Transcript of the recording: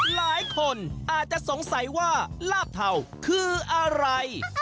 หลายคนอาจจะสงสัยว่าลาบเทาคืออะไร